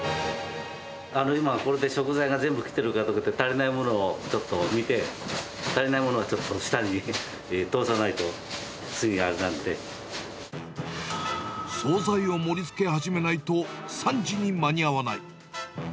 今、これで食材が全部来てるかとか、足りないものをちょっと見て、足りないものはちょっと下に通さないと、総菜を盛りつけ始めないと、３時に間に合わない。